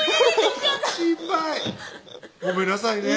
ごめんなさいね